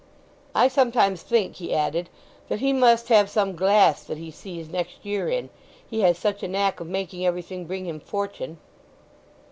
"I sometimes think," he added, "that he must have some glass that he sees next year in. He has such a knack of making everything bring him fortune."